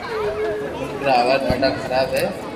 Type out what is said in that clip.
ملڪ را ھالات ڌاڌا خراب ھي